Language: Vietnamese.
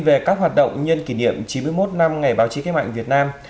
về các hoạt động nhân kỷ niệm chín mươi một năm ngày báo chí cách mạng việt nam